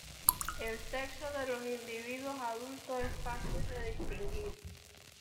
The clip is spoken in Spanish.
El sexo de los individuos adultos es fácil de distinguir.